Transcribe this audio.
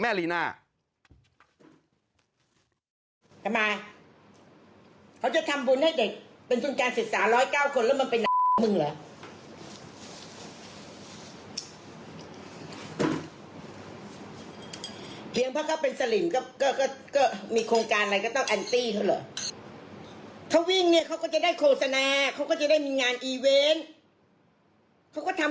มึงไปวิ่งเองดิฟังแม่รีน่า